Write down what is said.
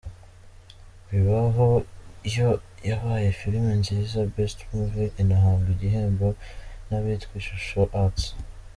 Bibaho” yo yabaye filimi nziza ‘Best Movie’ inahabwa igihembo n’abitwa Ishusho Arts.